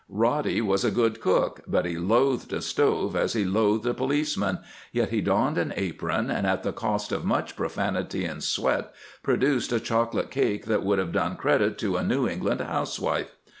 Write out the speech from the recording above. Reddy was a good cook, but he loathed a stove as he loathed a policeman, yet he donned an apron, and at the cost of much profanity and sweat produced a chocolate cake that would have done credit to a New England housewife.